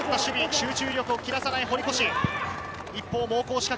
集中力を切らさない堀越。